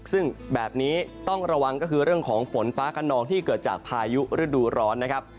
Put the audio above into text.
ซึ่งแบบนี้ต้องระวังก็คือเรื่องของฝนฟ้าขนองที่เกิดจากพายุฤดูร้อนนะครับ